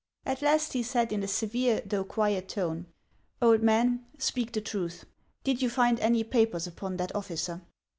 At last he said, in a severe though quiet tone :" Old man, speak the truth ! Did you find any papers upon that officer